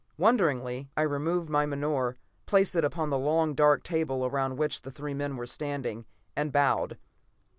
Wonderingly, I removed my menore, placed it upon the long, dark table around which the three men were standing, and bowed.